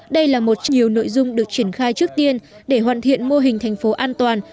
đây là một nhiều nội dung được triển khai trước tiên để hoàn thiện mô hình thành phố an toàn